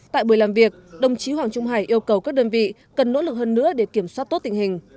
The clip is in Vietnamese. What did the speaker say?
tại buổi làm việc đồng chí hoàng trung hải yêu cầu các đơn vị cần nỗ lực hơn nữa để kiểm soát tốt tình hình